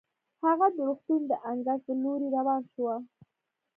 هغه د روغتون د انګړ په لورې روانه شوه.